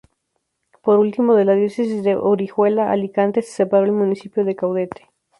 Por último, de la diócesis de Orihuela-Alicante se separó el municipio de Caudete.